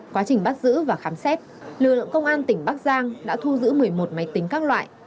quá trình bắt giữ và khám xét lực lượng công an tỉnh bắc giang đã thu giữ một mươi một máy tính các loại